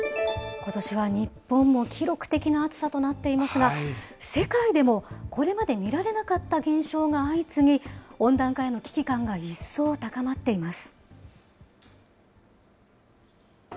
ことしは日本も記録的な暑さとなっていますが、世界でもこれまで見られなかった現象が相次ぎ、温暖化への危機感が一層高まっています。